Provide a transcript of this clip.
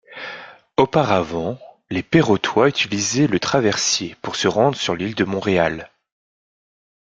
Auparavant, les perrotois utilisaient le traversier pour se rendre sur l'île de Montréal.